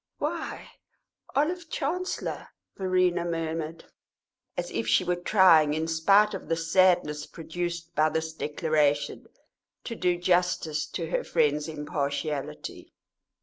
"Why, Olive Chancellor!" Verena murmured, as if she were trying, in spite of the sadness produced by this declaration, to do justice to her friend's impartiality.